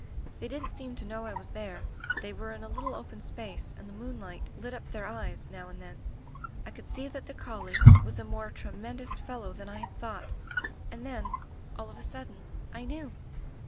They didn't seem to know I was there. They were in a little open space, and the moonlight lit up their eyes now and then. I could see that the collie was a more tremendous fellow than I had thought— and then — all of a sud den — I knew!